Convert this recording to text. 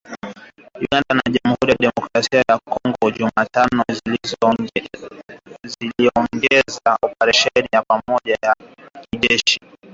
Uganda na Jamhuri ya Kidemokrasi ya Kongo Jumatano ziliongeza operesheni ya pamoja ya kijeshi